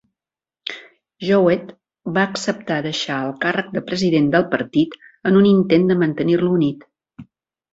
Jowett va acceptar deixar el càrrec de president del partit en un intent de mantenir-lo unit.